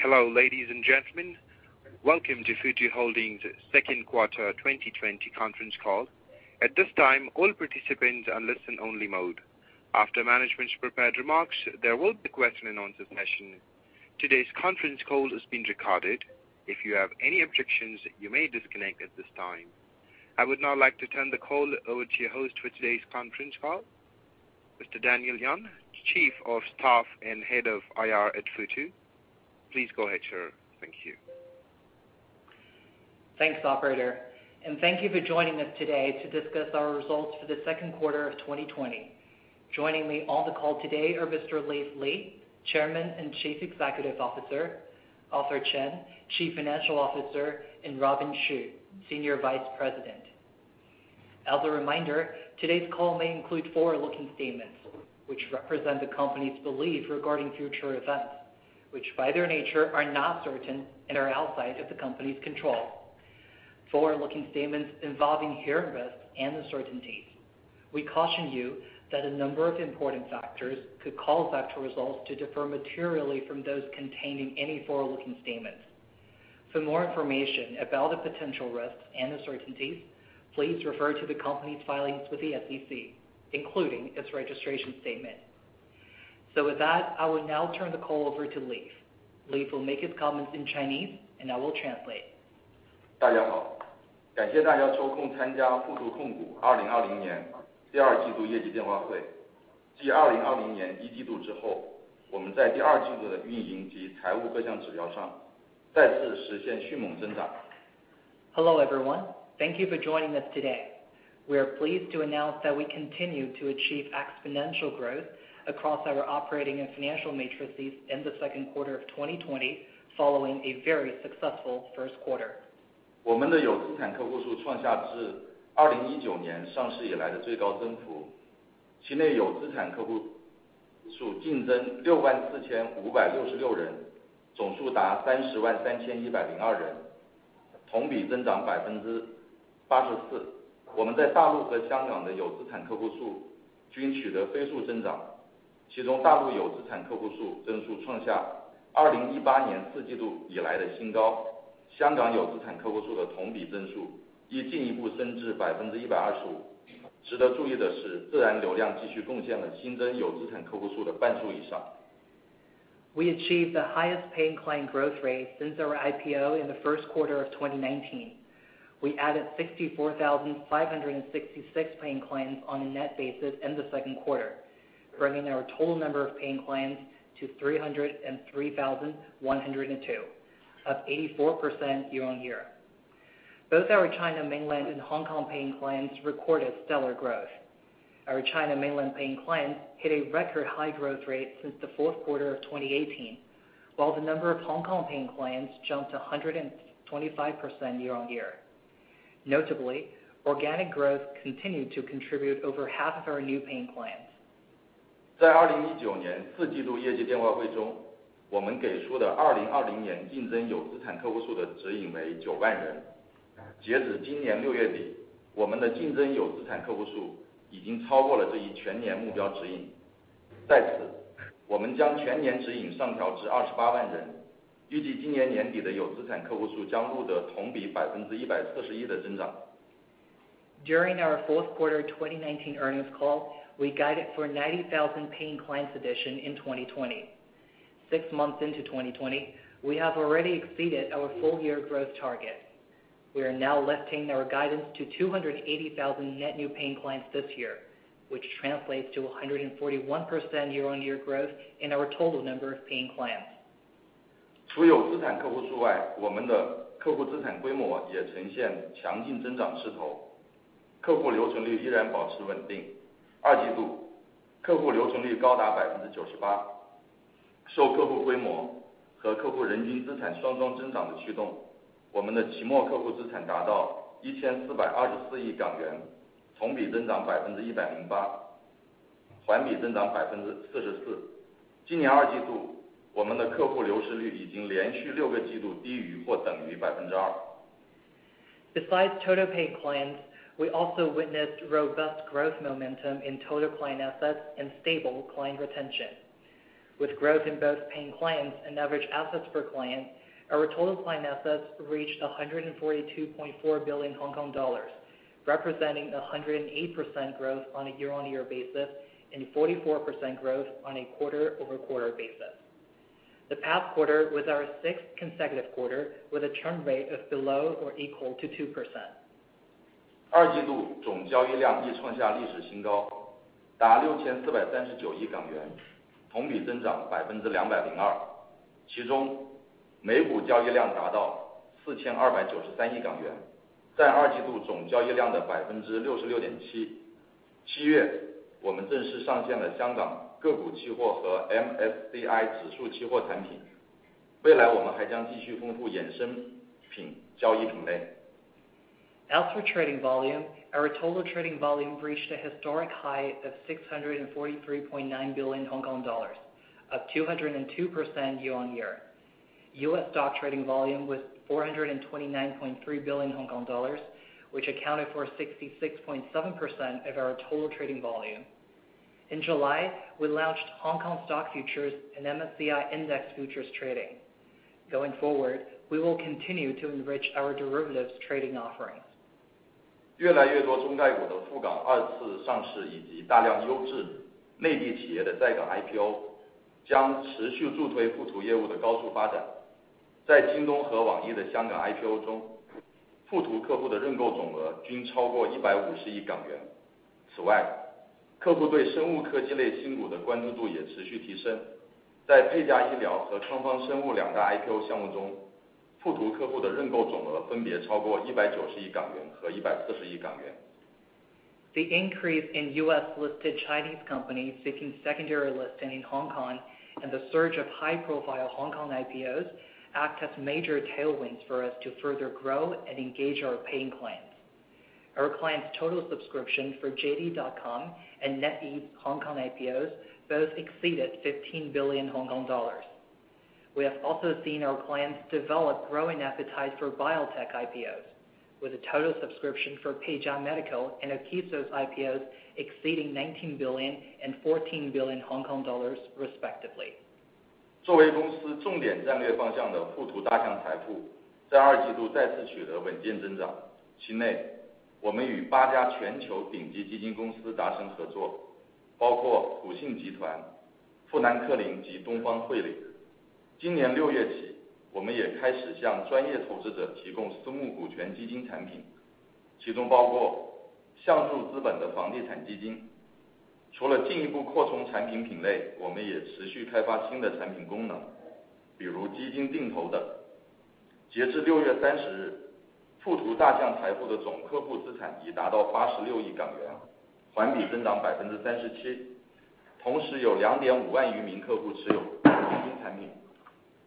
Hello, ladies and gentlemen. Welcome to Futu Holdings' second quarter 2020 conference call. At this time, all participants are in listen-only mode. After management's prepared remarks, there will be a question-and-answer session. Today's conference call is being recorded. If you have any objections, you may disconnect at this time. I would now like to turn the call over to your host for today's conference call, Mr. Daniel Yuan, Chief of Staff and Head of IR at Futu. Please go ahead, sir. Thank you. Thanks, Operator. Thank you for joining us today to discuss our results for the second quarter of 2020. Joining me on the call today are Mr. Leaf Li, Chairman and Chief Executive Officer; Arthur Chen, Chief Financial Officer; and Robin Xu, Senior Vice President. As a reminder, today's call may include forward-looking statements which represent the company's belief regarding future events which, by their nature, are not certain and are outside of the company's control. Forward-looking statements involve inherent risks and uncertainties. We caution you that a number of important factors could cause actual results to differ materially from those contained in any forward-looking statements. For more information about the potential risks and uncertainties, please refer to the company's filings with the SEC, including its registration statement. With that, I will now turn the call over to Leaf. Leaf will make his comments in Chinese, and I will translate. 大家好，感谢大家抽空参加富途控股2020年第二季度业绩电话会。继2020年一季度之后，我们在第二季度的运营及财务各项指标上再次实现迅猛增长。Hello everyone. Thank you for joining us today. We are pleased to announce that we continue to achieve exponential growth across our operating and financial metrics in the second quarter of 2020, following a very successful first quarter. 我们的有资产客户数创下自2019年上市以来的最高增幅，其中有资产客户数净增64,566人，总数达303,102人，同比增长84%。我们在大陆和香港的有资产客户数均取得飞速增长，其中大陆有资产客户数增速创下2018年四季度以来的新高，香港有资产客户数的同比增速亦进一步升至125%。值得注意的是，自然流量继续贡献了新增有资产客户数的半数以上。We achieved the highest paying client growth rate since our IPO in the first quarter of 2019. We added 64,566 paying clients on a net basis in the second quarter, bringing our total number of paying clients to 303,102, up 84% year-over-year. Both our China mainland and Hong Kong paying clients recorded stellar growth. Our China mainland paying clients hit a record high growth rate since the fourth quarter of 2018, while the number of Hong Kong paying clients jumped 125% year-over-year. Notably, organic growth continued to contribute over half of our new paying clients. 在2019年四季度业绩电话会中，我们给出的2020年净增有资产客户数的指引为9万人。截止今年6月底，我们的净增有资产客户数已经超过了这一全年目标指引。在此，我们将全年指引上调至28万人，预计今年年底的有资产客户数将录得同比141%的增长。During our fourth quarter 2019 earnings call, we guided for 90,000 paying clients addition in 2020. Six months into 2020, we have already exceeded our full-year growth target. We are now lifting our guidance to 280,000 net new paying clients this year, which translates to 141% year-on-year growth in our total number of paying clients. 除有资产客户数外，我们的客户资产规模也呈现强劲增长势头，客户留存率依然保持稳定。二季度，客户留存率高达98%。受客户规模和客户人均资产双双增长的驱动，我们的期末客户资产达到HK$1,424亿，同比增长108%，环比增长44%。今年二季度，我们的客户流失率已经连续六个季度低于或等于2%。Besides total paying clients, we also witnessed robust growth momentum in total client assets and stable client retention. With growth in both paying clients and average assets per client, our total client assets reached HK$142.4 billion, representing 108% growth on a year-on-year basis and 44% growth on a quarter-over-quarter basis. The past quarter was our sixth consecutive quarter with a churn rate of below or equal to 2%. As for trading volume, our total trading volume reached a historic high of 643.9 billion Hong Kong dollars, up 202% year-on-year. U.S. stock trading volume was 429.3 billion Hong Kong dollars, which accounted for 66.7% of our total trading volume. In July, we launched Hong Kong stock futures and MSCI index futures trading. Going forward, we will continue to enrich our derivatives trading offerings. The increase in U.S.-listed Chinese companies seeking secondary listing in Hong Kong and the surge of high-profile Hong Kong IPOs act as major tailwinds for us to further grow and engage our paying clients. Our clients' total subscription for JD.com and NetEase Hong Kong IPOs both exceeded HK$15 billion. We have also seen our clients develop growing appetite for biotech IPOs, with a total subscription for Peijia Medical and Akeso IPOs exceeding HK$19 billion and HK$14 billion, respectively.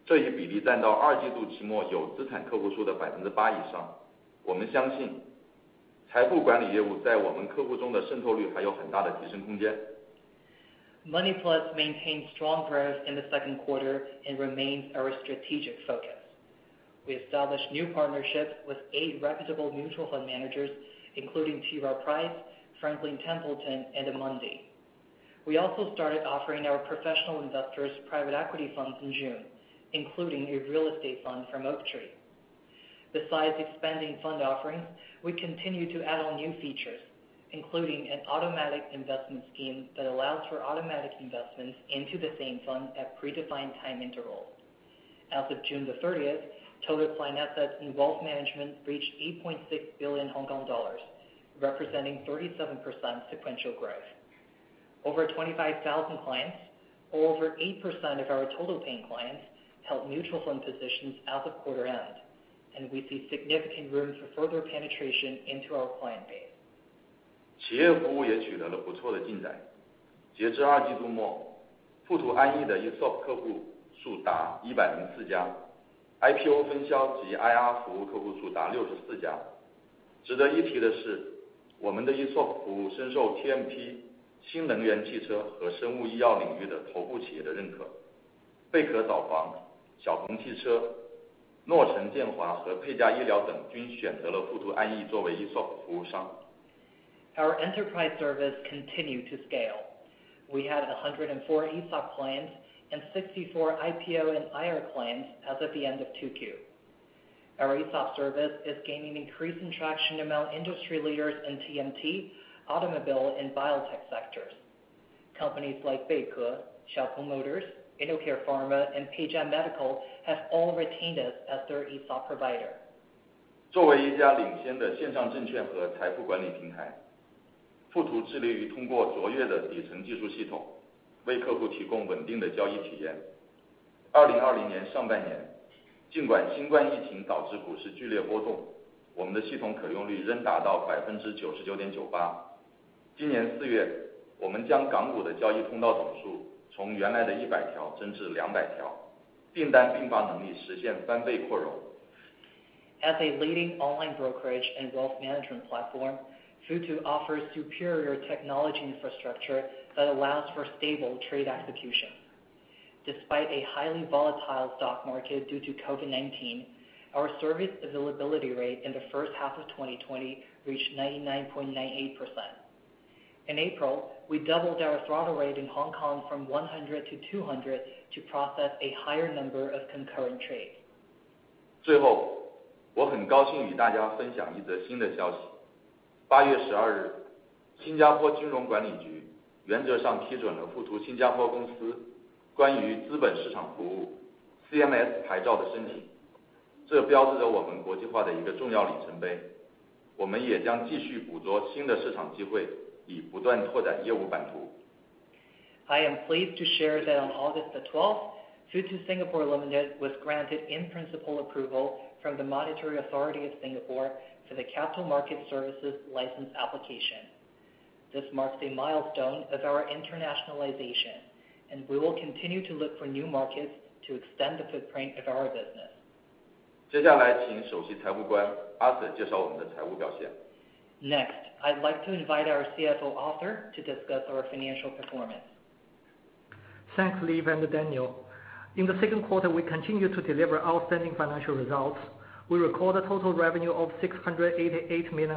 Money Plus maintained strong growth in the second quarter and remains our strategic focus. We established new partnerships with eight reputable mutual fund managers, including T. Rowe Price, Franklin Templeton, and Amundi. We also started offering our professional investors private equity funds in June, including a real estate fund from Oaktree. Besides expanding fund offerings, we continue to add new features, including an automatic investment scheme that allows for automatic investments into the same fund at predefined time intervals. As of June 30, total client assets in wealth management reached HK$8.6 billion, representing 37% sequential growth. Over 25,000 clients, or over 8% of our total paying clients, held mutual fund positions as of quarter end, and we see significant room for further penetration into our client base. 企业服务也取得了不错的进展。截至二季度末，富途安易的ESOP客户数达104家，IPO分销及IR服务客户数达64家。值得一提的是，我们的ESOP服务深受TMT、新能源汽车和生物医药领域的头部企业的认可。贝壳找房、小鹏汽车、诺诚健华和佩嘉医疗等均选择了富途安易作为ESOP服务商。Our enterprise service continued to scale. We had 104 ESOP clients and 64 IPO and IR clients as of the end of Q2. Our ESOP service is gaining increasing traction among industry leaders in TMT, automobile, and biotech sectors. Companies like Beike, Xiaopeng Motors, InnoCare Pharma, and Peijia Medical have all retained us as their ESOP provider. 作为一家领先的线上证券和财富管理平台，富途致力于通过卓越的底层技术系统，为客户提供稳定的交易体验。2020年上半年，尽管新冠疫情导致股市剧烈波动，我们的系统可用率仍达到99.98%。今年4月，我们将港股的交易通道总数从原来的100条增至200条，订单并发能力实现翻倍扩容。As a leading online brokerage and wealth management platform, Futu offers superior technology infrastructure that allows for stable trade execution. Despite a highly volatile stock market due to COVID-19, our service availability rate in the first half of 2020 reached 99.98%. In April, we doubled our throttle rate in Hong Kong from 100 to 200 to process a higher number of concurrent trades. 最后，我很高兴与大家分享一则新的消息。8月12日，新加坡金融管理局原则上批准了富途新加坡公司关于资本市场服务CMS牌照的申请。这标志着我们国际化的一个重要里程碑。我们也将继续捕捉新的市场机会，以不断拓展业务版图。I am pleased to share that on August 12, Futu Singapore Limited was granted in-principal approval from the Monetary Authority of Singapore for the capital market services license application. This marks a milestone of our internationalization, and we will continue to look for new markets to extend the footprint of our business. 接下来请首席财务官Arthur介绍我们的财务表现。Next, I'd like to invite our CFO Arthur to discuss our financial performance. Thanks, Leaf and Daniel. In the second quarter, we continued to deliver outstanding financial results. We recorded a total revenue of HK$688 million,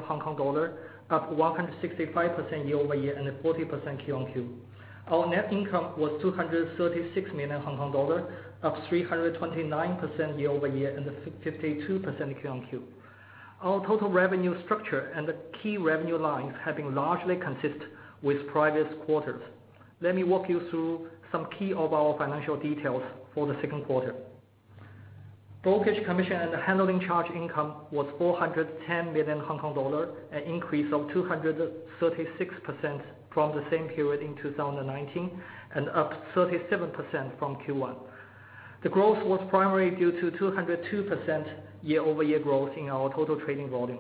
up 165% year-over-year and 40% quarter-on-quarter. Our net income was HK$236 million, up 329% year-over-year and 52% quarter-on-quarter. Our total revenue structure and key revenue lines have been largely consistent with previous quarters. Let me walk you through some key financial details for the second quarter. Brokerage commission and handling charge income was HK$410 million, an increase of 236% from the same period in 2019 and up 37% from Q1. The growth was primarily due to 202% year-over-year growth in our total trading volume.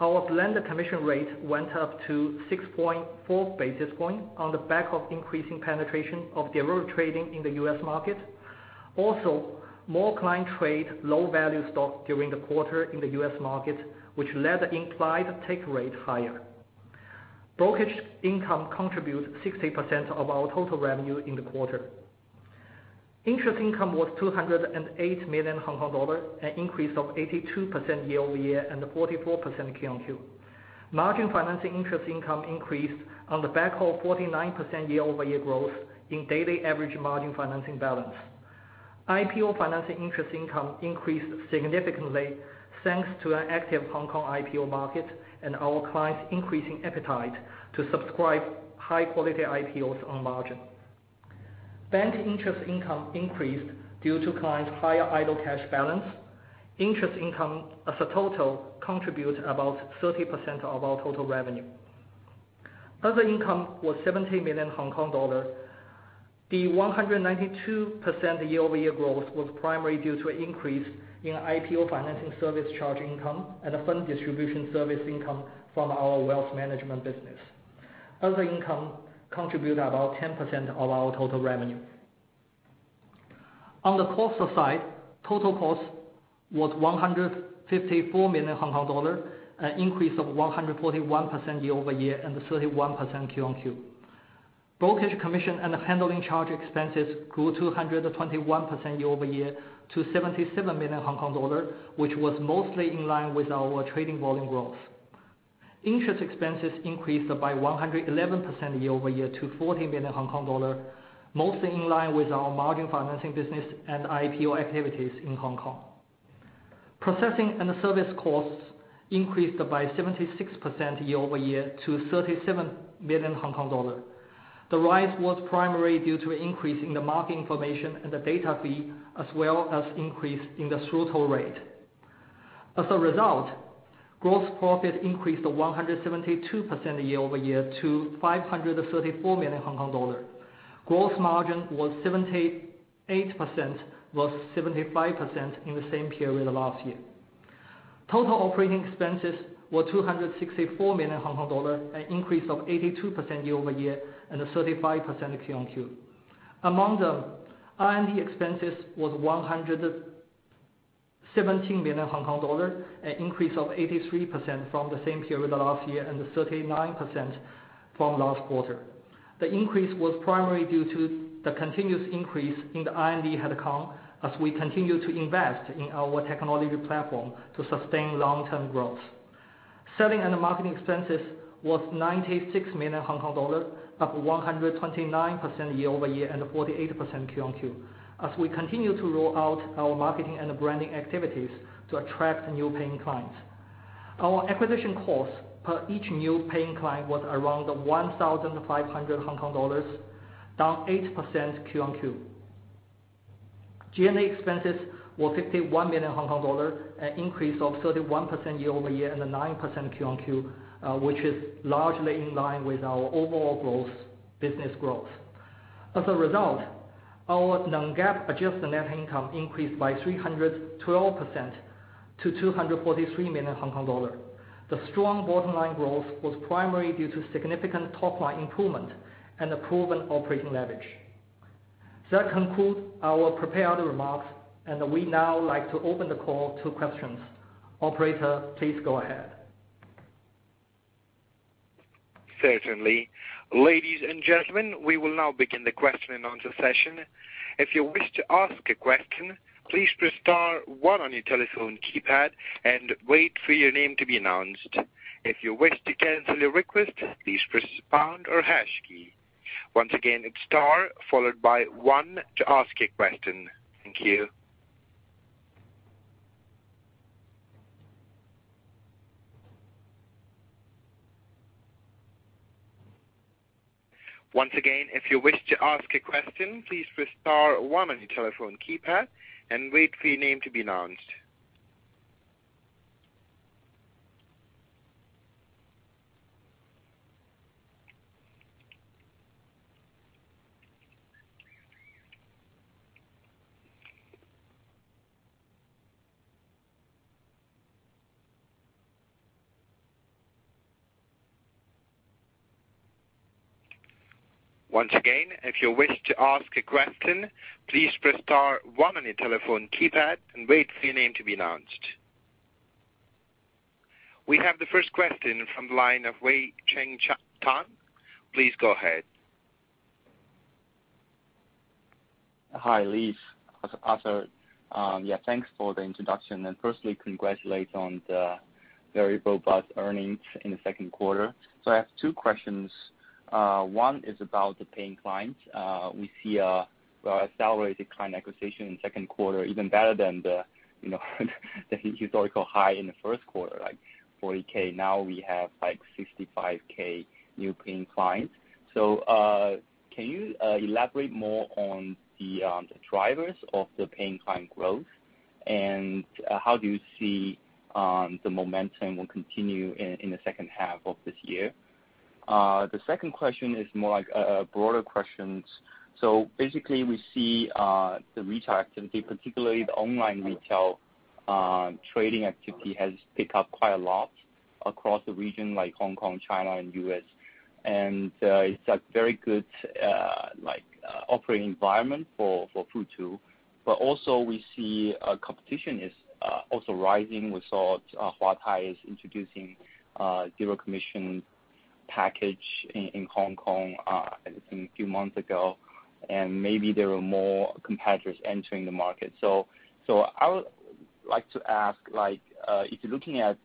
Our blended commission rate went up to 6.4 basis points on the back of increasing penetration of derivative trading in the U.S. market. Also, more clients traded low-value stocks during the quarter in the U.S. market, which led to implied take rate higher. Brokerage income contributed 60% of our total revenue in the quarter. Interest income was HK$208 million, an increase of 82% year-over-year and 44% quarter-on-quarter. Margin financing interest income increased on the back of 49% year-over-year growth in daily average margin financing balance. IPO financing interest income increased significantly thanks to an active Hong Kong IPO market and our clients' increasing appetite to subscribe high-quality IPOs on margin. Bank interest income increased due to clients' higher idle cash balance. Interest income as a total contributed about 30% of our total revenue. Other income was HK$70 million. The 192% year-over-year growth was primarily due to an increase in IPO financing service charge income and fund distribution service income from our wealth management business. Other income contributed about 10% of our total revenue. On the cost side, total cost was HK$154 million, an increase of 141% year-over-year and 31% quarter-on-quarter. Brokerage commission and handling charge expenses grew 221% year-over-year to HK$77 million, which was mostly in line with our trading volume growth. Interest expenses increased by 111% year-over-year to HK$40 million, mostly in line with our margin financing business and IPO activities in Hong Kong. Processing and service costs increased by 76% year-over-year to HK$37 million. The rise was primarily due to an increase in the market information and the data fee, as well as an increase in the throttle rate. As a result, gross profit increased 172% year-over-year to HK$534 million. Gross margin was 78% versus 75% in the same period last year. Total operating expenses were HK$264 million, an increase of 82% year-over-year and 35% quarter-on-quarter. Among them, R&D expenses were HK$117 million, an increase of 83% from the same period last year and 39% from last quarter. The increase was primarily due to the continuous increase in the R&D headcount as we continue to invest in our technology platform to sustain long-term growth. Selling and marketing expenses were HK$96 million, up 129% year-over-year and 48% quarter-on-quarter, as we continue to roll out our marketing and branding activities to attract new paying clients. Our acquisition costs per each new paying client were around HK$1,500, down 8% quarter-on-quarter. G&A expenses were HK$51 million, an increase of 31% year-over-year and 9% quarter-on-quarter, which is largely in line with our overall business growth. As a result, our non-GAAP adjusted net income increased by 312% to HK$243 million. The strong bottom-line growth was primarily due to significant top-line improvement and proven operating leverage. That concludes our prepared remarks, and we now like to open the call to questions. Operator, please go ahead. Certainly. Ladies and gentlemen, we will now begin the question and answer session. If you wish to ask a question, please press star 1 on your telephone keypad and wait for your name to be announced. If you wish to cancel your request, please press pound or hash key. Once again, it's star followed by 1 to ask a question. Thank you. Once again, if you wish to ask a question, please press star 1 on your telephone keypad and wait for your name to be announced. Once again, if you wish to ask a question, please press star 1 on your telephone keypad and wait for your name to be announced. We have the first question from the line of Wei Cheng Tan. Please go ahead. Hi, Leif, Arthur. Yeah, thanks for the introduction. Firstly, congratulations on the very robust earnings in the second quarter. I have two questions. One is about the paying clients. We see accelerated client acquisition in the second quarter, even better than the historical high in the first quarter, like 40K. Now we have like 65K new paying clients. Can you elaborate more on the drivers of the paying client growth, and how do you see the momentum will continue in the second half of this year? The second question is more like a broader question. Basically, we see the retail activity, particularly the online retail trading activity, has picked up quite a lot across the region, like Hong Kong, China, and U.S. It's a very good operating environment for Futu. But also, we see competition is also rising. We saw Huatai is introducing a zero-commission package in Hong Kong, I think, a few months ago, and maybe there are more competitors entering the market. I would like to ask, if you're looking at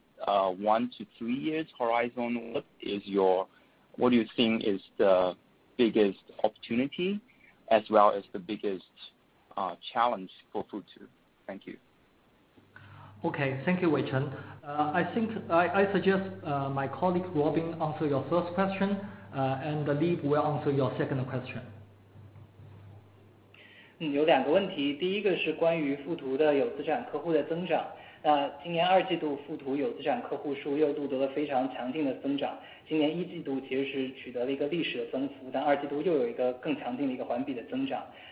one to three years horizon, what do you think is the biggest opportunity as well as the biggest challenge for Futu? Thank you. Okay. Thank you, Wei Cheng. I suggest my colleague Robin answer your first question, and Leif will answer your second question. 有两个问题。第一个是关于富途的有资产客户的增长。今年二季度富途有资产客户数又取得了非常强劲的增长。今年一季度其实是取得了一个历史的增幅，但二季度又有一个更强劲的环比增长。有资产客户数增长的主要驱动因素是什么，然后未来增长的趋势是怎样，这是第一个问题。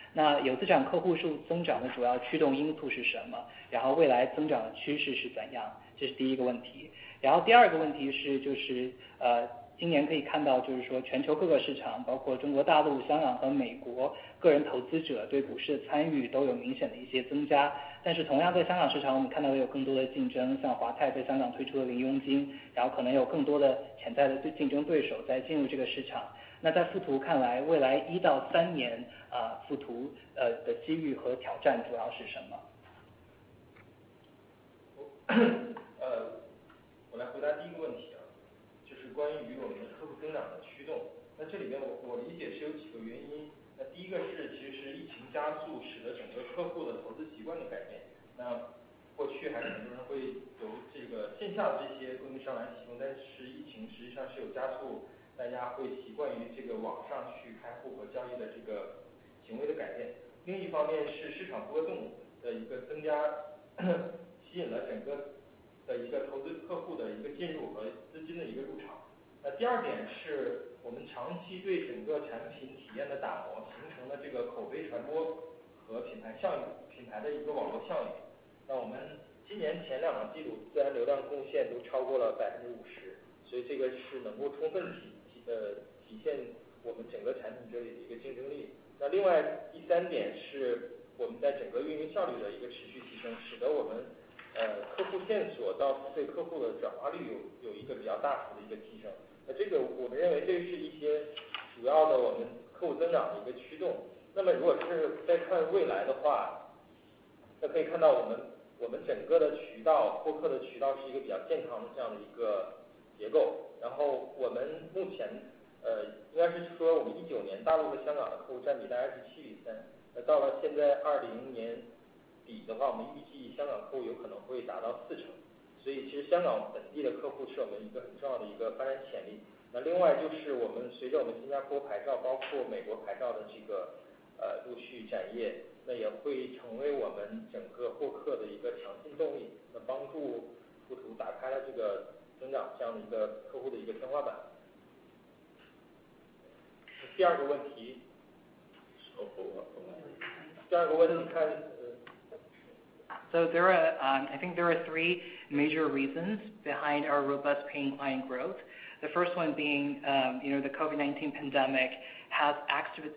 There are three major reasons behind our robust paying client growth. The first one being the COVID-19 pandemic has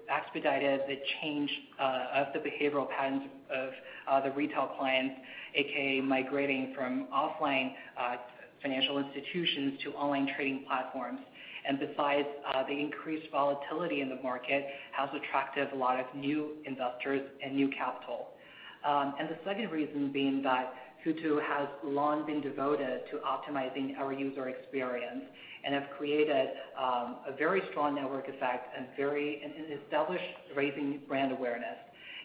expedited the change of the behavioral patterns of the retail clients, a.k.a. migrating from offline financial institutions to online trading platforms. Besides, the increased volatility in the market has attracted a lot of new investors and new capital. The second reason being that Futu has long been devoted to optimizing our user experience and have created a very strong network effect and established raising brand awareness.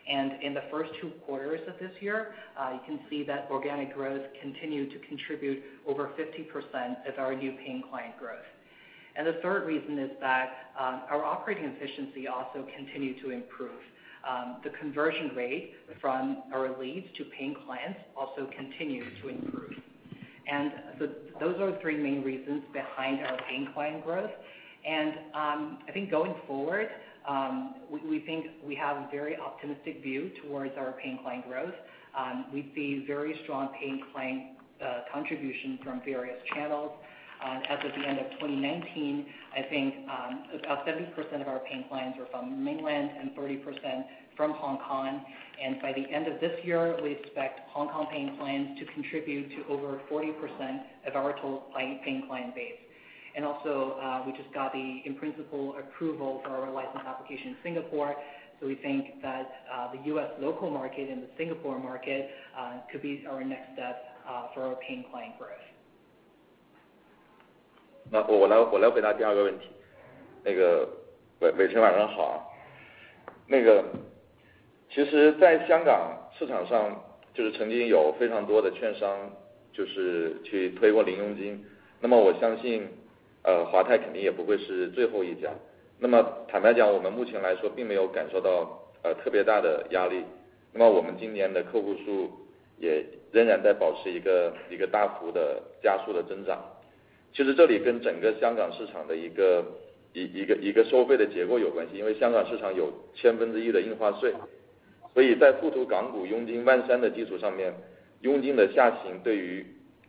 In the first two quarters of this year, you can see that organic growth continued to contribute over 50% of our new paying client growth. The third reason is that our operating efficiency also continued to improve. The conversion rate from our leads to paying clients also continued to improve. Those are the three main reasons behind our paying client growth. Going forward, we think we have a very optimistic view towards our paying client growth. We see very strong paying client contribution from various channels. As of the end of 2019, about 70% of our paying clients were from mainland and 30% from Hong Kong. By the end of this year, we expect Hong Kong paying clients to contribute to over 40% of our total paying client base. We just got the in-principle approval for our license application in Singapore. We think that the U.S. local market and the Singapore market could be our next step for our paying client growth. 我来回答第二个问题。Wei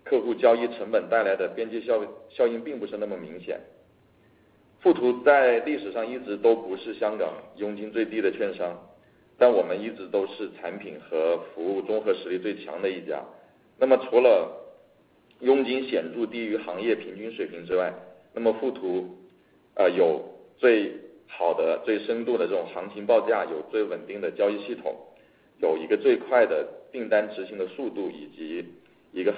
Cheng，晚上好。其实在香港市场上曾经有非常多的券商去推过零佣金。我相信华泰肯定也不会是最后一家。坦白讲，我们目前来说并没有感受到特别大的压力。我们今年的客户数也仍然在保持一个大幅的加速的增长。其实这里跟整个香港市场的一个收费的结构有关系，因为香港市场有0.1%的印花税。所以在富途港股佣金万三的基础上面，佣金的下行对于客户交易成本带来的边际效应并不是那么明显。富途在历史上一直都不是香港佣金最低的券商，但我们一直都是产品和服务综合实力最强的一家。除了佣金显著低于行业平均水平之外，富途有最好的、最深度的这种行情报价，有最稳定的交易系统，有一个最快的订单执行的速度，以及一个很高质量的资讯和最活跃的这样的一个社区平台。这些都是吸引客户的非常重要的因素。这里是需要花很长的时间去打磨和积累。All right.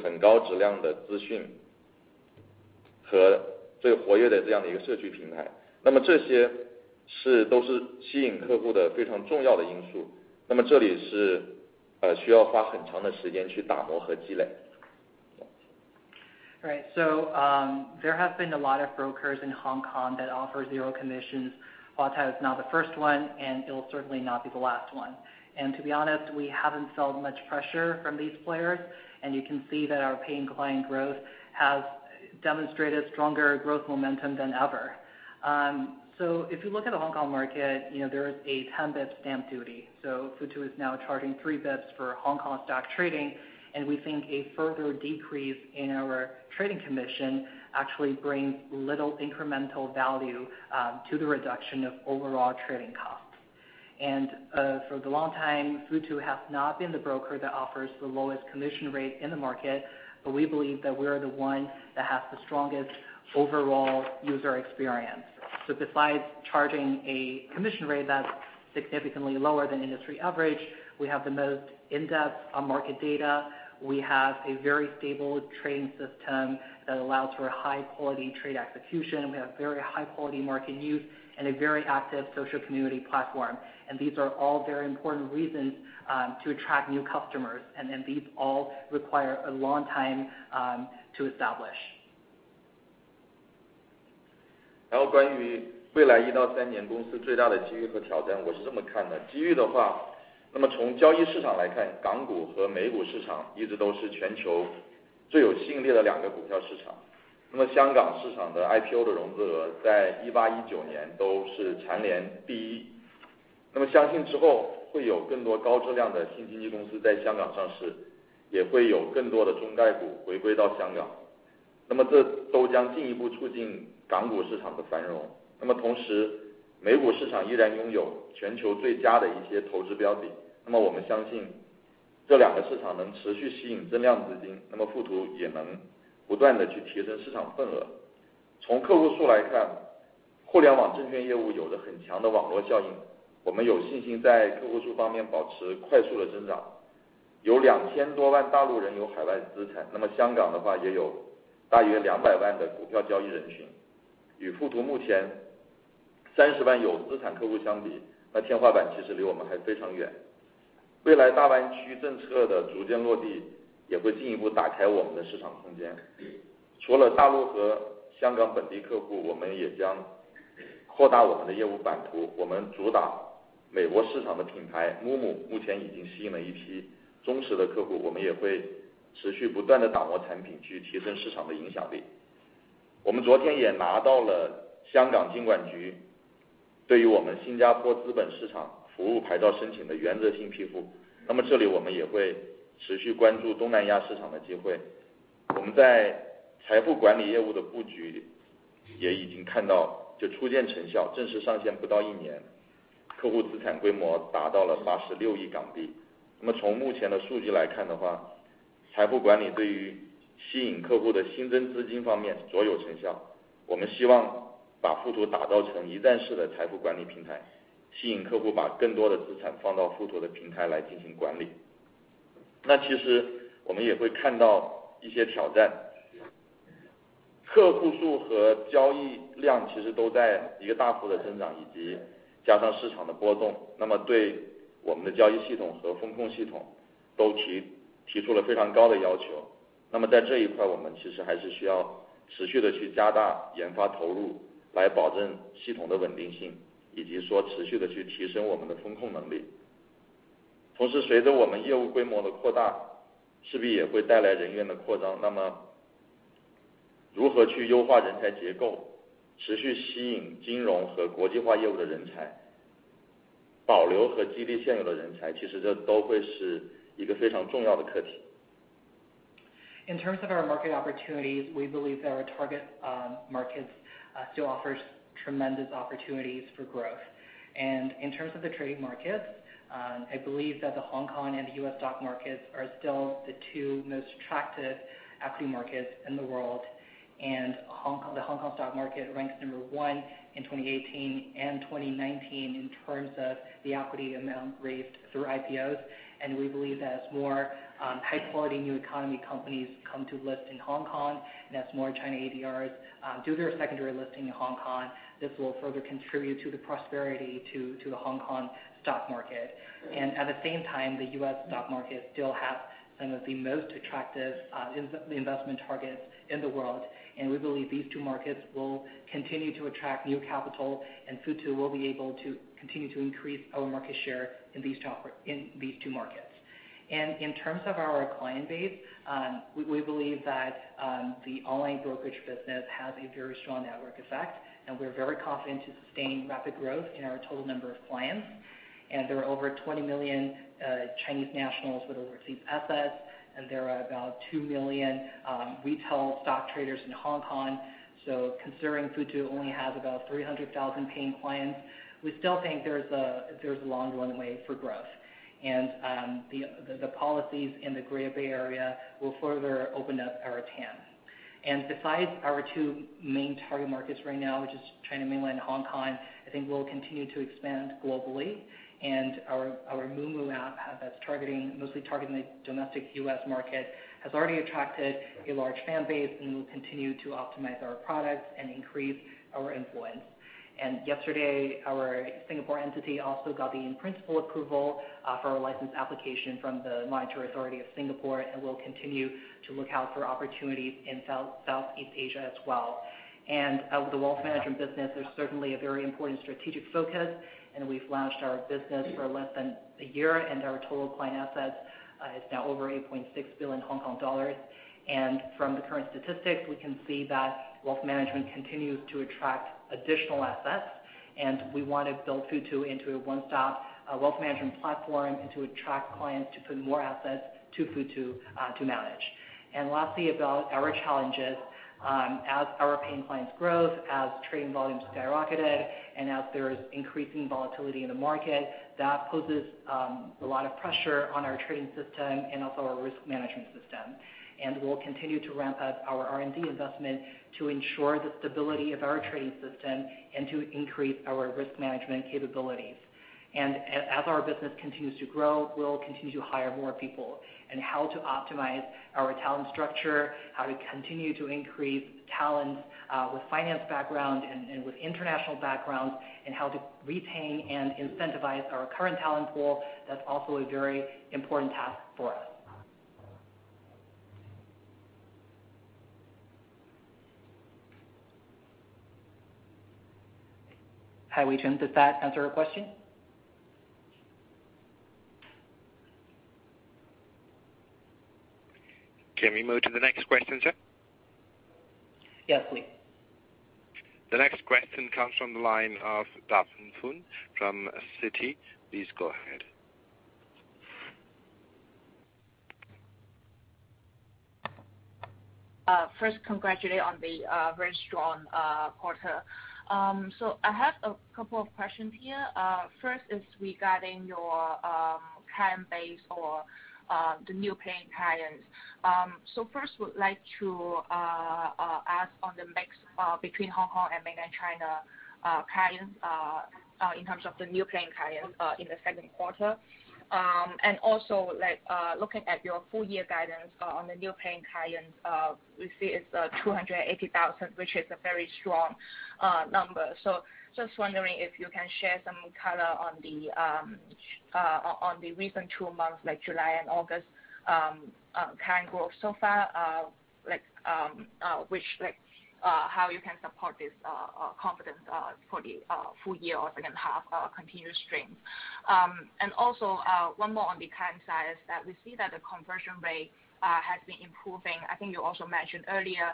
There have been a lot of brokers in Hong Kong that offer zero commissions. Huatai is not the first one, and it'll certainly not be the last one. To be honest, we haven't felt much pressure from these players, and you can see that our paying client growth has demonstrated stronger growth momentum than ever. If you look at the Hong Kong market, there is a 10-bip stamp duty. Futu is now charging 3 bips for Hong Kong stock trading, and we think a further decrease in our trading commission actually brings little incremental value to the reduction of overall trading costs. For the long time, Futu has not been the broker that offers the lowest commission rate in the market, but we believe that we are the one that has the strongest overall user experience. Besides charging a commission rate that's significantly lower than industry average, we have the most in-depth on-market data. We have a very stable trading system that allows for high-quality trade execution. We have very high-quality market news and a very active social community platform. These are all very important reasons to attract new customers, and these all require a long time to establish. In terms of our market opportunities, we believe that our target markets still offer tremendous opportunities for growth. In terms of the trading markets, I believe that the Hong Kong and the U.S. stock markets are still the two most attractive equity markets in the world. The Hong Kong stock market ranks number one in 2018 and 2019 in terms of the equity amount raised through IPOs. We believe that as more high-quality new economy companies come to list in Hong Kong, and as more China ADRs do their secondary listing in Hong Kong, this will further contribute to the prosperity to the Hong Kong stock market. At the same time, the U.S. stock market still has some of the most attractive investment targets in the world. We believe these two markets will continue to attract new capital, and Futu will be able to continue to increase our market share in these two markets. In terms of our client base, we believe that the online brokerage business has a very strong network effect, and we're very confident to sustain rapid growth in our total number of clients. There are over 20 million Chinese nationals with overseas assets, and there are about 2 million retail stock traders in Hong Kong. Considering Futu only has about 300,000 paying clients, we still think there's a long runway for growth. The policies in the Greater Bay Area will further open up our TAM. Besides our two main target markets right now, which is China, mainland, and Hong Kong, I think we'll continue to expand globally. Our Moomoo app that's mostly targeting the domestic U.S. market has already attracted a large fan base, and we'll continue to optimize our products and increase our influence. Yesterday, our Singapore entity also got the in-principle approval for our license application from the Monetary Authority of Singapore, and we'll continue to look out for opportunities in Southeast Asia as well. With the wealth management business, there's certainly a very important strategic focus, and we've launched our business for less than a year, and our total client assets is now over HK$8.6 billion. From the current statistics, we can see that wealth management continues to attract additional assets, and we want to build Futu into a one-stop wealth management platform and to attract clients to put more assets to Futu to manage. Lastly, about our challenges. As our paying clients growth, as trading volumes skyrocketed, and as there is increasing volatility in the market, that poses a lot of pressure on our trading system and also our risk management system. We'll continue to ramp up our R&D investment to ensure the stability of our trading system and to increase our risk management capabilities. As our business continues to grow, we'll continue to hire more people and how to optimize our talent structure, how to continue to increase talents with finance background and with international backgrounds, and how to retain and incentivize our current talent pool. That's also a very important task for us. Hi, Wei Cheng. Does that answer your question? Can we move to the next question, sir? Yes, please. The next question comes from the line of Daphne Poon from Citi. Please go ahead. First, congratulations on the very strong quarter. I have a couple of questions here. First is regarding your client base or the new paying clients. First, we'd like to ask on the mix between Hong Kong and mainland China clients in terms of the new paying clients in the second quarter. Also looking at your full-year guidance on the new paying clients, we see it's 280,000, which is a very strong number. Just wondering if you can share some color on the recent two months, like July and August, client growth so far, how you can support this confidence for the full year or second half continuous stream. Also one more on the client side is that we see that the conversion rate has been improving. I think you also mentioned earlier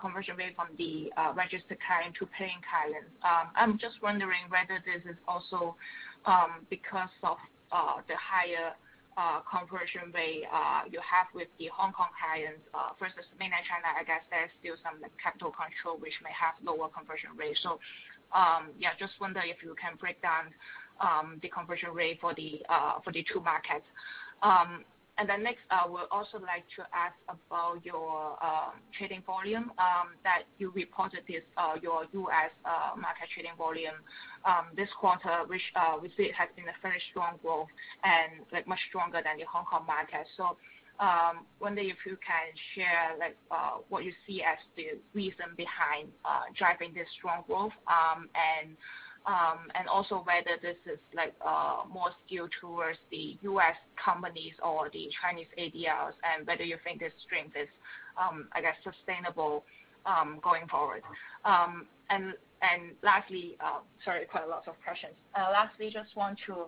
conversion rate from the registered client to paying clients. I'm just wondering whether this is also because of the higher conversion rate you have with the Hong Kong clients versus mainland China. I guess there's still some capital control which may have lower conversion rate. Just wonder if you can break down the conversion rate for the two markets. Next, we'd also like to ask about your trading volume that you reported is your U.S. market trading volume this quarter, which we see has been a very strong growth and much stronger than the Hong Kong market. Wonder if you can share what you see as the reason behind driving this strong growth and also whether this is more skewed towards the U.S. companies or the Chinese ADRs and whether you think this stream is sustainable going forward. Lastly, quite a lot of questions. Lastly, just want to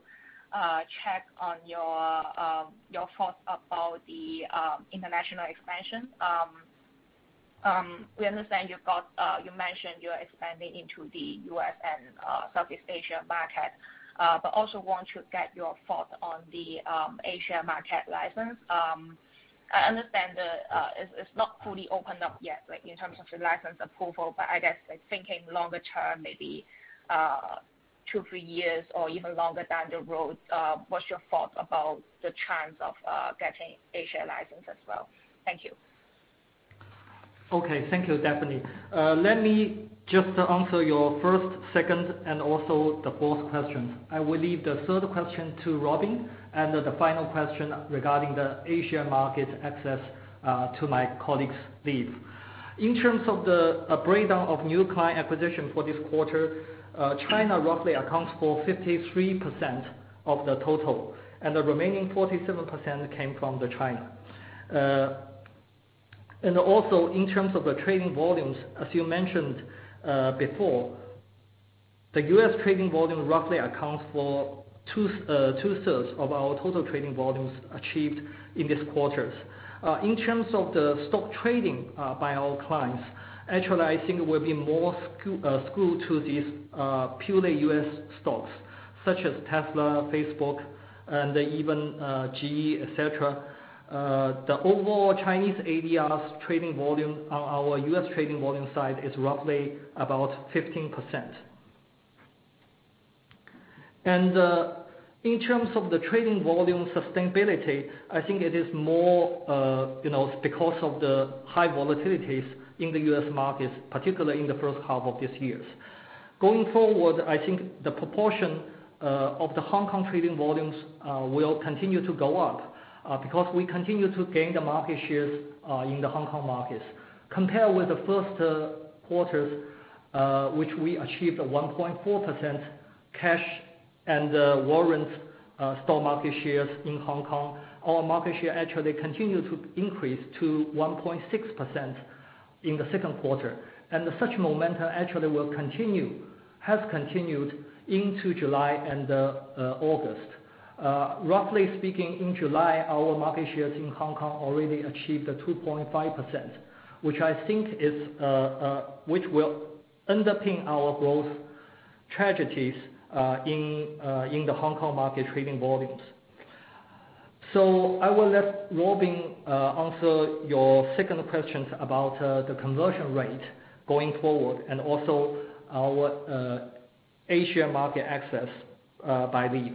check on your thoughts about the international expansion. We understand you mentioned you're expanding into the U.S. and Southeast Asia market, but also want to get your thoughts on the Asia market license. I understand it's not fully opened up yet in terms of the license approval, but thinking longer term, maybe two, three years, or even longer down the road, what's your thoughts about the chance of getting Asia license as well? Thank you. Okay. Thank you, Daphne. Let me just answer your first, second, and also the fourth questions. I will leave the third question to Robin, and the final question regarding the Asia market access to my colleagues Leaf. In terms of the breakdown of new client acquisition for this quarter, China roughly accounts for 53% of the total, and the remaining 47% came from overseas. In terms of the trading volumes, as you mentioned before, the U.S. trading volume roughly accounts for two-thirds of our total trading volumes achieved in this quarter. In terms of the stock trading by our clients, I think we'll be more skewed to these purely U.S. stocks such as Tesla, Facebook, and even GE, etc. The overall Chinese ADRs trading volume on our U.S. trading volume side is roughly about 15%. In terms of the trading volume sustainability, I think it is more because of the high volatilities in the U.S. markets, particularly in the first half of this year. Going forward, I think the proportion of the Hong Kong trading volumes will continue to go up because we continue to gain the market shares in the Hong Kong markets. Compared with the first quarter, which we achieved a 1.4% cash and warrants stock market share in Hong Kong, our market share continued to increase to 1.6% in the second quarter. Such momentum has continued into July and August. Roughly speaking, in July, our market share in Hong Kong already achieved 2.5%, which I think will underpin our growth trajectory in the Hong Kong market trading volumes. So I will let Robin answer your third question about the conversion rate going forward and also our Asia market access by Leaf.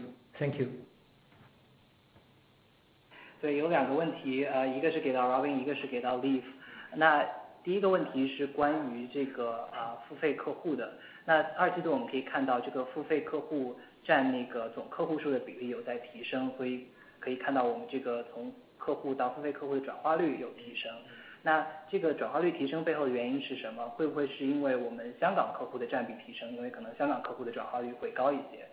Thank you. 所以有两个问题，一个是给到Robin，一个是给到Leaf。第一个问题是关于这个付费客户的。二季度我们可以看到这个付费客户占总客户数的比例有在提升，可以看到我们这个从客户到付费客户的转化率有提升。这个转化率提升背后的原因是什么？会不会是因为我们香港客户的占比提升？因为可能香港客户的转化率会高一些。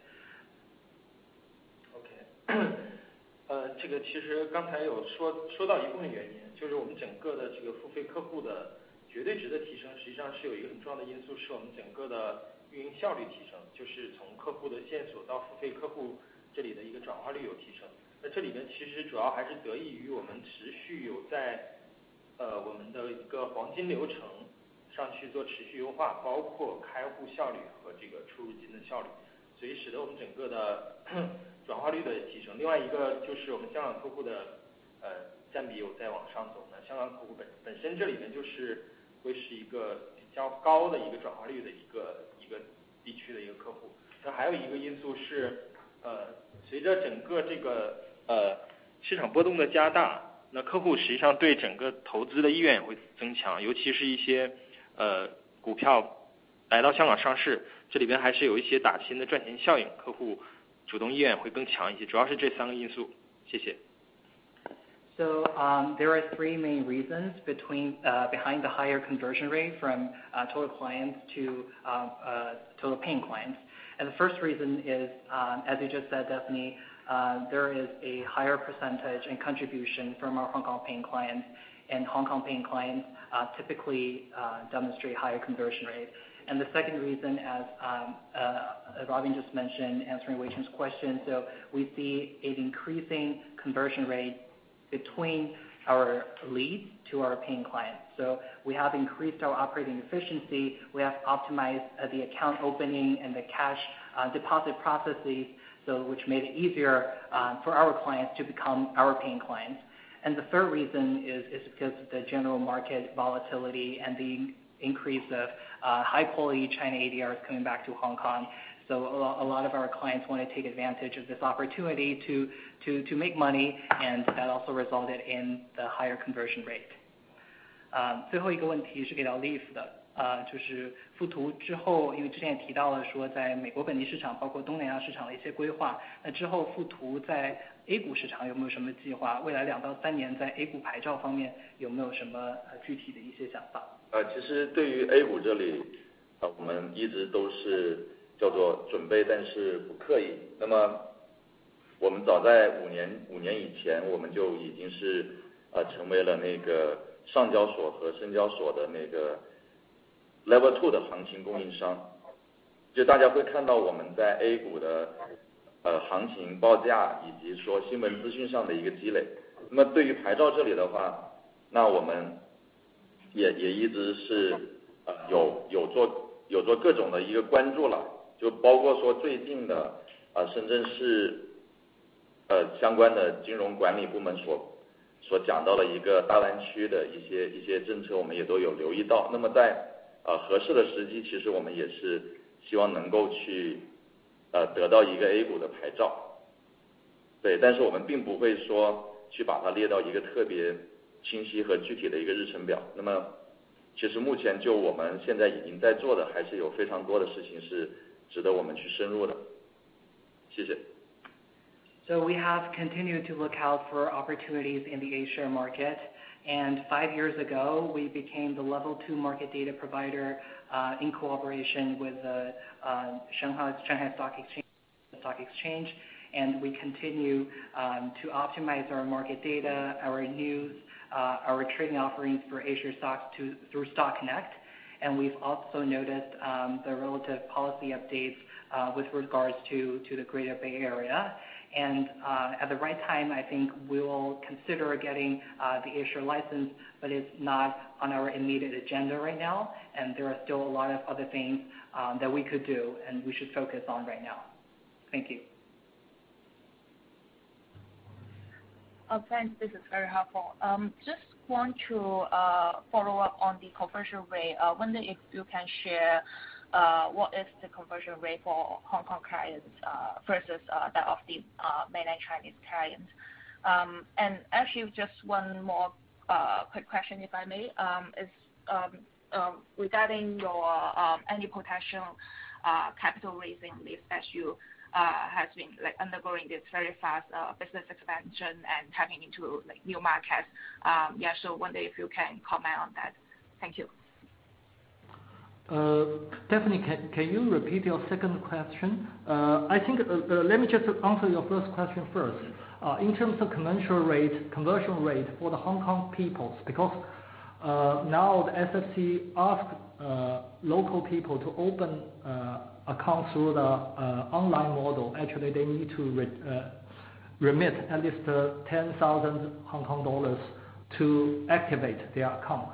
There are three main reasons behind the higher conversion rate from total clients to total paying clients. The first reason is, as you just said, Daphne, there is a higher percentage and contribution from our Hong Kong paying clients, and Hong Kong paying clients typically demonstrate higher conversion rates. The second reason, as Robin just mentioned, answering Wei Cheng's question, we see an increasing conversion rate between our leads to our paying clients. We have increased our operating efficiency, we have optimized the account opening and the cash deposit processes, which made it easier for our clients to become our paying clients. The third reason is because of the general market volatility and the increase of high-quality China ADRs coming back to Hong Kong. A lot of our clients want to take advantage of this opportunity to make money, and that also resulted in the higher conversion rate. We have continued to look out for opportunities in the Asia market, and five years ago we became the Level 2 market data provider in cooperation with the Shanghai Stock Exchange, and we continue to optimize our market data, our news, our trading offerings for Asia stocks through Stock Connect. We've also noticed the relative policy updates with regards to the Greater Bay Area. At the right time, I think we will consider getting the Asia license, but it's not on our immediate agenda right now, and there are still a lot of other things that we could do and we should focus on right now. Thank you. Oh, thanks. This is very helpful. Just want to follow up on the conversion rate. I wonder if you can share what is the conversion rate for Hong Kong clients versus that of the mainland Chinese clients. And actually, just one more quick question, if I may, is regarding any potential capital raising plans that you have been undergoing this very fast business expansion and tapping into new markets. Yeah, so wonder if you can comment on that. Thank you. Daphne, can you repeat your second question? I think let me just answer your first question first. In terms of conversion rate for the Hong Kong people, because now the SFC asks local people to open accounts through the online model, actually they need to remit at least HK$10,000 to activate their account.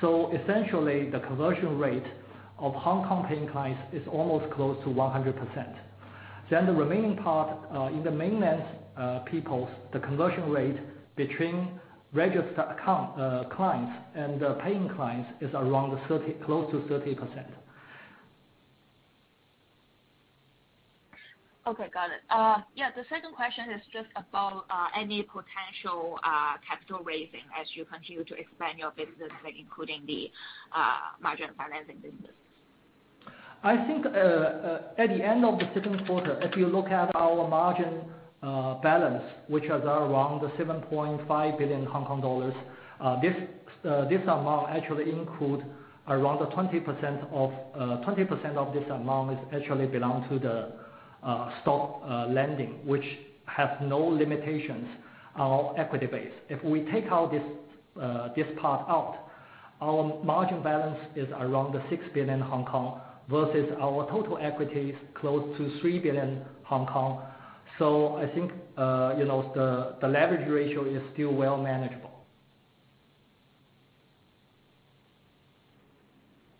So essentially, the conversion rate of Hong Kong paying clients is almost close to 100%. Then the remaining part in the mainland people, the conversion rate between registered clients and paying clients is around close to 30%. Okay. Got it. Yeah. The second question is just about any potential capital raising as you continue to expand your business, including the margin financing business. I think at the end of the second quarter, if you look at our margin balance, which is around HK$7.5 billion, this amount actually includes around 20% of this amount is actually belongs to the stock lending, which has no limitations on our equity base. If we take out this part out, our margin balance is around HK$6 billion Hong Kong versus our total equity is close to HK$3 billion. So I think the leverage ratio is still well manageable.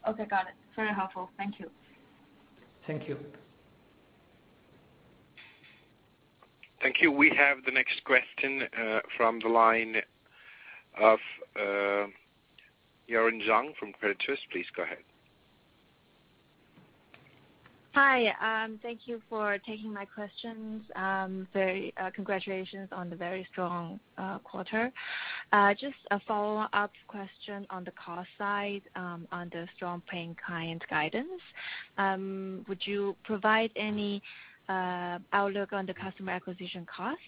Okay. Got it. Very helpful. Thank you. Thank you. Thank you. We have the next question from the line of Yiran Zhong from Credit Suisse. Please go ahead. Hi. Thank you for taking my questions. Congratulations on the very strong quarter. Just a follow-up question on the cost side on the strong paying client guidance. Would you provide any outlook on the customer acquisition costs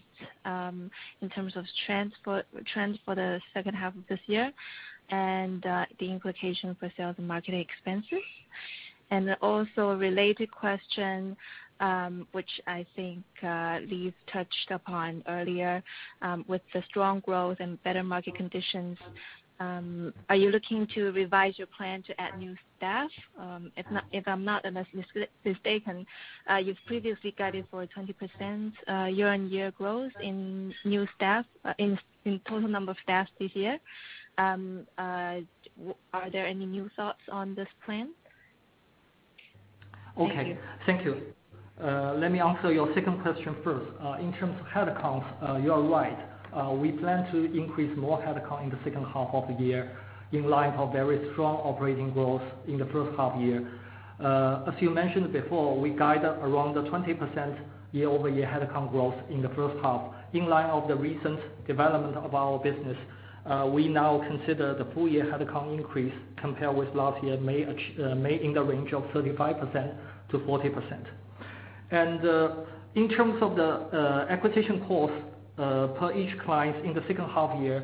in terms of trends for the second half of this year and the implication for sales and marketing expenses? And also a related question, which I think Leaf touched upon earlier, with the strong growth and better market conditions, are you looking to revise your plan to add new staff? If I'm not mistaken, you've previously guided for a 20% year-on-year growth in total number of staff this year. Are there any new thoughts on this plan? Okay. Thank you. Let me answer your second question first. In terms of headcounts, you are right. We plan to increase more headcount in the second half of the year in line for very strong operating growth in the first half year. As you mentioned before, we guided around 20% year-over-year headcount growth in the first half. In line of the recent development of our business, we now consider the full-year headcount increase compared with last year may be in the range of 35% to 40%. In terms of the acquisition costs per each client in the second half year,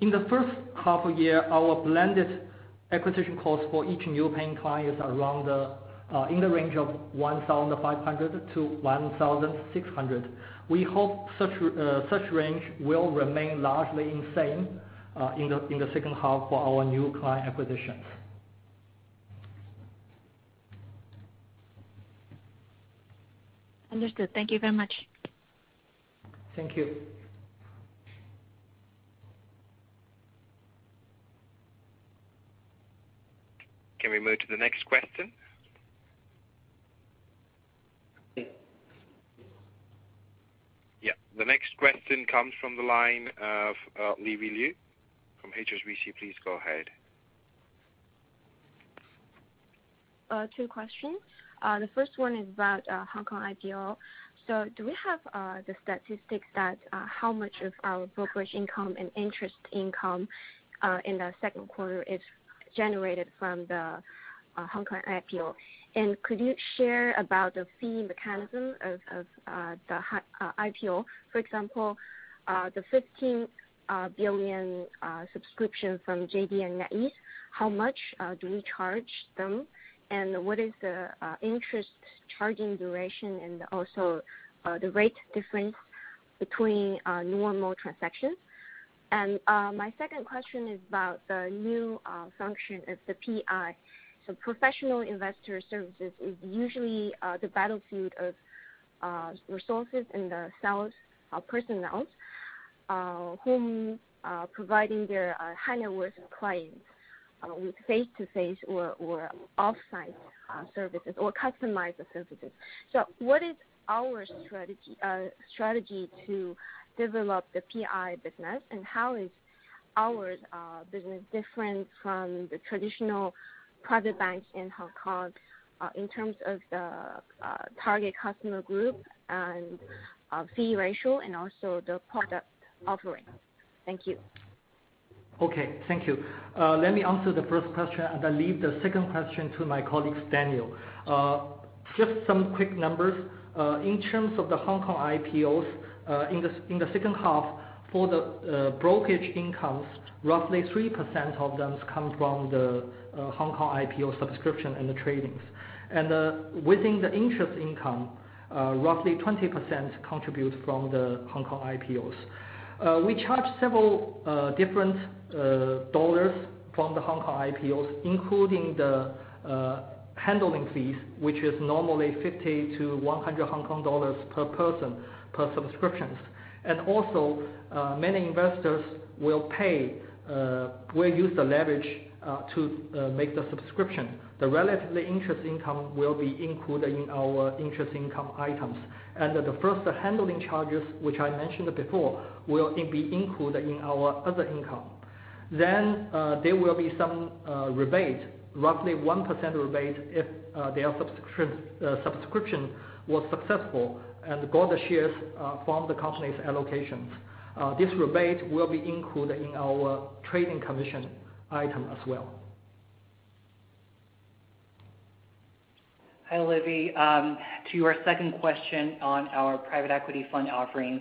in the first half of the year, our blended acquisition costs for each new paying client is in the range of $1,500 to $1,600. We hope such range will remain largely the same in the second half for our new client acquisitions. Understood. Thank you very much. Thank you. Can we move to the next question? Yeah. The next question comes from the line of Olivia Liu from HSBC. Please go ahead. Two questions. The first one is about Hong Kong IPO. Do we have the statistics that how much of our brokerage income and interest income in the second quarter is generated from the Hong Kong IPO? Could you share about the fee mechanism of the IPO? For example, the $15 billion subscription from JD and NetEase, how much do we charge them? What is the interest charging duration and also the rate difference between normal transactions? My second question is about the new function of the PI. Professional investor services is usually the battlefield of resources and the sales personnel who are providing their high-net-worth clients with face-to-face or off-site services or customized services. What is our strategy to develop the PI business, and how is our business different from the traditional private banks in Hong Kong in terms of the target customer group and fee ratio and also the product offering? Thank you. Okay. Thank you. Let me answer the first question, and I'll leave the second question to my colleague Daniel. Just some quick numbers. In terms of the Hong Kong IPOs, in the second half, for the brokerage incomes, roughly 3% of them come from the Hong Kong IPO subscription and the tradings. Within the interest income, roughly 20% contribute from the Hong Kong IPOs. We charge several different dollars from the Hong Kong IPOs, including the handling fees, which is normally HK$50 to HK$100 per person per subscriptions. Also, many investors will use the leverage to make the subscription. The relative interest income will be included in our interest income items. The first handling charges, which I mentioned before, will be included in our other income. Then there will be some rebate, roughly 1% rebate, if their subscription was successful and got the shares from the company's allocations. This rebate will be included in our trading commission item as well. Hi, Olivia. To your second question on our private equity fund offerings,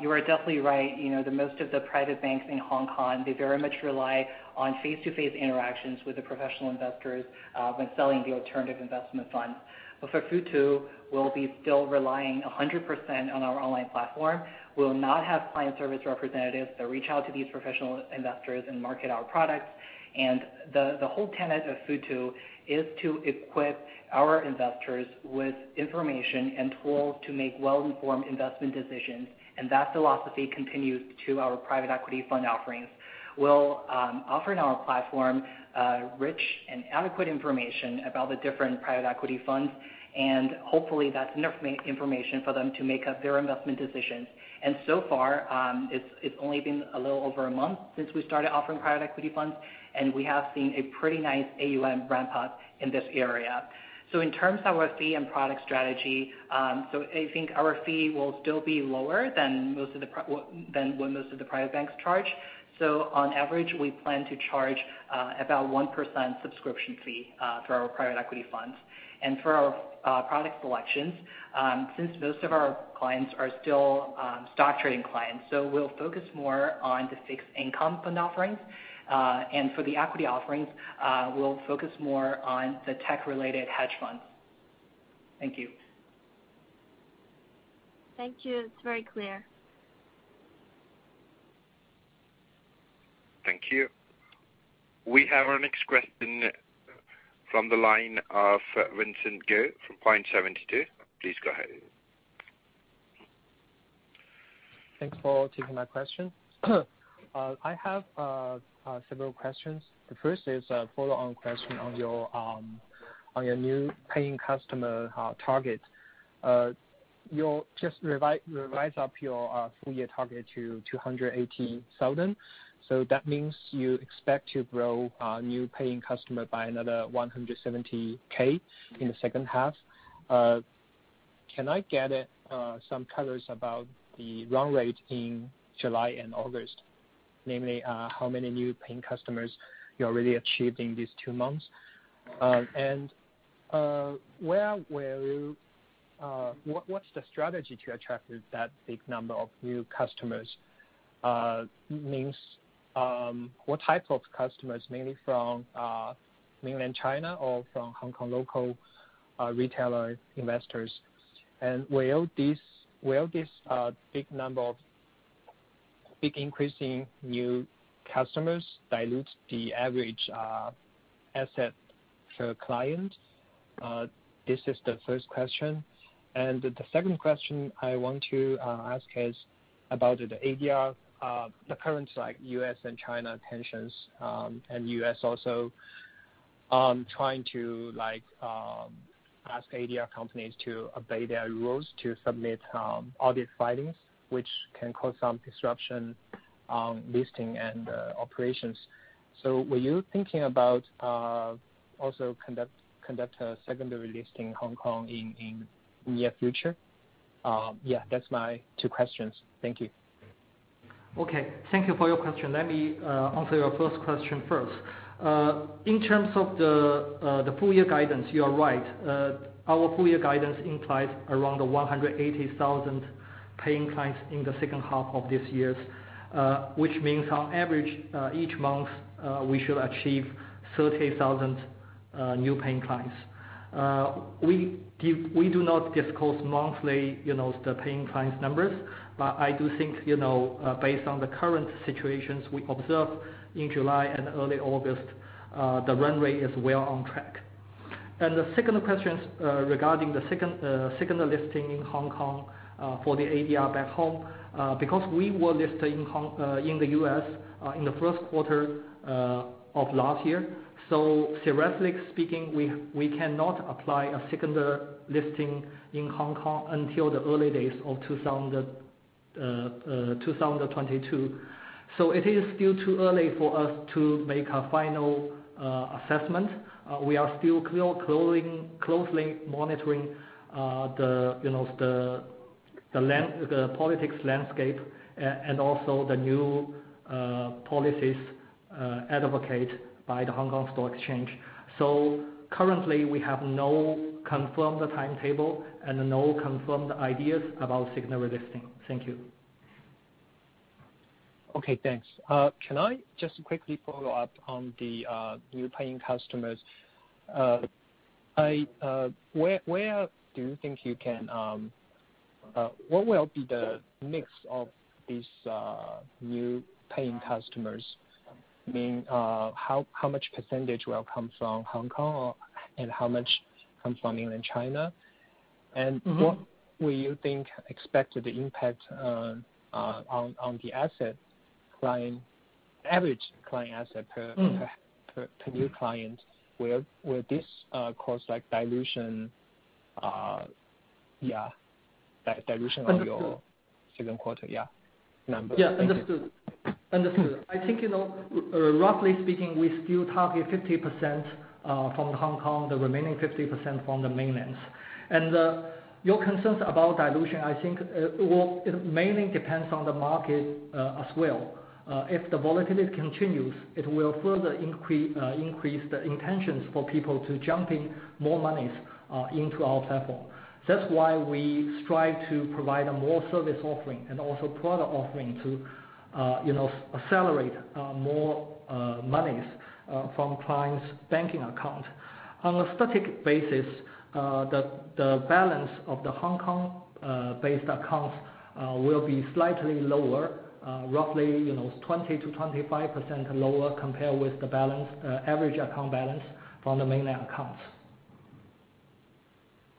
you are definitely right. Most of the private banks in Hong Kong very much rely on face-to-face interactions with professional investors when selling alternative investment funds. But for Futu, we'll still be relying 100% on our online platform. We'll not have client service representatives that reach out to these professional investors and market our products. The whole tenet of Futu is to equip our investors with information and tools to make well-informed investment decisions. That philosophy continues to our private equity fund offerings. We'll offer on our platform rich and adequate information about the different private equity funds, and hopefully, that's enough information for them to make up their investment decisions. So far, it's only been a little over a month since we started offering private equity funds, and we have seen a pretty nice AUM ramp-up in this area. In terms of our fee and product strategy, I think our fee will still be lower than what most of the private banks charge. On average, we plan to charge about 1% subscription fee for our private equity funds. For our product selections, since most of our clients are still stock trading clients, we'll focus more on the fixed income fund offerings. For the equity offerings, we'll focus more on the tech-related hedge funds. Thank you. Thank you. It's very clear. Thank you. We have our next question from the line of Vincent Ge from Point72. Please go ahead. Thanks for taking my question. I have several questions. The first is a follow-on question on your new paying customer target. You just revised up your full-year target to 280,000. So that means you expect to grow new paying customers by another 170,000 in the second half. Can I get some color about the run rate in July and August, namely how many new paying customers you already achieved in these two months? And what's the strategy to attract that big number of new customers? What type of customers, mainly from mainland China or from Hong Kong local retail investors? And will this big number of big increasing new customers dilute the average asset per client? This is the first question. And the second question I want to ask is about the current U.S. and China tensions, and U.S. also trying to ask ADR companies to obey their rules to submit audit filings, which can cause some disruption on listing and operations. So were you thinking about also conducting a secondary listing in Hong Kong in the near future? Yeah, that's my two questions. Thank you. Okay. Thank you for your question. Let me answer your first question first. In terms of the full-year guidance, you are right. Our full-year guidance implies around 180,000 paying clients in the second half of this year, which means on average, each month, we should achieve 30,000 new paying clients. We do not disclose monthly the paying clients' numbers, but I do think based on the current situations we observed in July and early August, the run rate is well on track. The second question regarding the second listing in Hong Kong for the ADR back home, because we were listed in the U.S. in the first quarter of last year, so theoretically speaking, we cannot apply a second listing in Hong Kong until the early days of 2022. So it is still too early for us to make a final assessment. We are still closely monitoring the political landscape and also the new policies advocated by the Hong Kong Stock Exchange. So currently, we have no confirmed timetable and no confirmed ideas about secondary listing. Thank you. Okay. Thanks. Can I just quickly follow up on the new paying customers? Where do you think what will be the mix of these new paying customers? I mean, how much percentage will come from Hong Kong and how much come from mainland China? What do you think the expected impact on the average client asset per new client will be? Will this cause dilution? Yeah. Dilution on your second quarter number. Yeah. Understood. Understood. I think roughly speaking, we still target 50% from Hong Kong, the remaining 50% from the mainlands. Your concerns about dilution, I think, mainly depends on the market as well. If the volatility continues, it will further increase the intentions for people to jump in more monies into our platform. That's why we strive to provide more service offering and also product offering to accelerate more monies from clients' banking accounts. On a static basis, the balance of the Hong Kong-based accounts will be slightly lower, roughly 20% to 25% lower compared with the average account balance from the mainland accounts.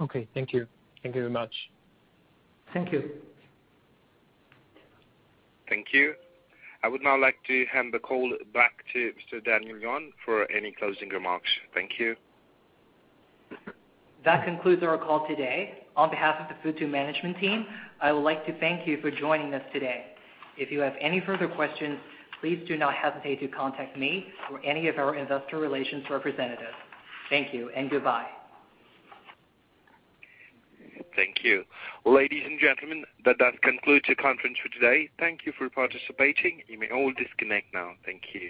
Okay. Thank you. Thank you very much. Thank you. Thank you. I would now like to hand the call back to Mr. Daniel Yuan for any closing remarks. Thank you. That concludes our call today. On behalf of the Futu Management Team, I would like to thank you for joining us today. If you have any further questions, please do not hesitate to contact me or any of our investor relations representatives. Thank you and goodbye. Thank you. Ladies and gentlemen, that does conclude the conference for today. Thank you for participating. You may all disconnect now. Thank you.